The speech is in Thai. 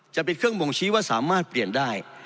จะเป็นเครื่องบ่งชี้ว่าสามารถเปลี่ยนได้